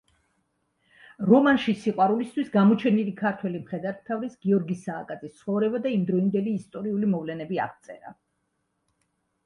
რომანში „სიყვარულისთვის“ გამოჩენილი ქართველი მხედართმთავრის, გიორგი სააკაძის, ცხოვრება და იმდროინდელი ისტორიული მოვლენები აღწერა.